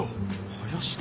林田。